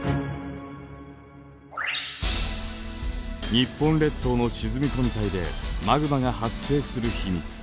日本列島の沈み込み帯でマグマが発生する秘密。